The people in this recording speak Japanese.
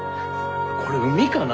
これ海かな？